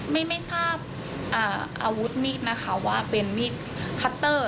ไม่ไม่ทราบอาวุธมีดนะคะว่าเป็นมีดคัตเตอร์